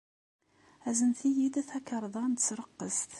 Aznet-iyi-d takarḍa n tesreqqest.